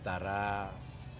tidak mau pulang